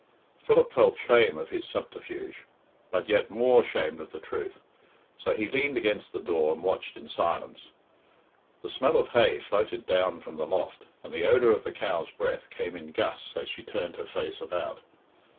Philip felt shame of his subterfuge, but yet more ashamed of the truth; so he leaned against the door and watched in silence. The smell of hay floated down from the loft, and the odour of the cow's breath came in gusts as she turned her face about.